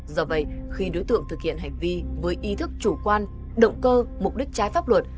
do vậy khi đối tượng thực hiện hành vi với ý thức chủ quan động cơ mục đích trái pháp luật